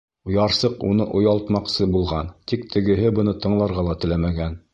Ярсыҡ уны оялтмаҡсы булған, тик тегеһе быны тыңларға ла теләмәгән.